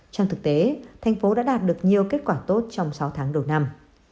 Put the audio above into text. trong thực tế tp hcm đã đạt được nhiều kết quả tốt trong sáu tháng đầu năm